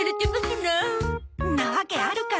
んなわけあるか。